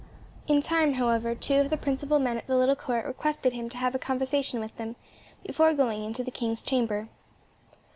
In time, however, two of the principal men at the little court requested him to have a conversation with them, before going into the king's chamber.